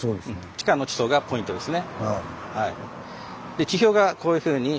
地下の地層がポイントですね。